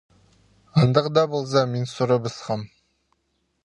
Андағ даа полза, мин сурыбысхам: